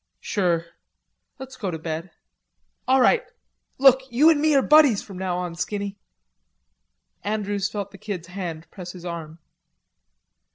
"Sure. Let's go to bed." "All right. Look, you an' me are buddies from now on, Skinny." Andrews felt the Kid's hand press his arm.